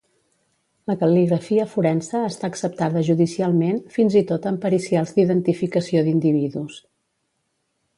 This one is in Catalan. La cal·ligrafia forense està acceptada judicialment, fins i tot amb pericials d'identificació d'individus.